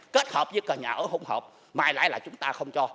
kết hợp với nhà ở hôn hợp may lại là chúng ta không cho